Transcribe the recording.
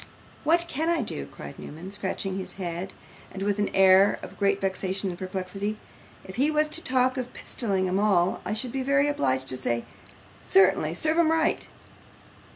'What CAN I do?' cried Newman, scratching his head with an air of great vexation and perplexity. 'If he was to talk of pistoling 'em all, I should be obliged to say, "Certainly serve 'em right."